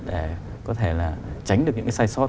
để có thể là tránh được những cái sai sót